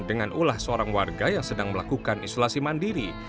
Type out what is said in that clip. dengan ulah seorang warga yang sedang melakukan isolasi mandiri